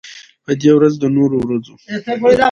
په دې ورځ د نورو ورځو